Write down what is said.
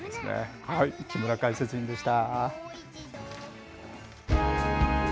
木村解説委員でした。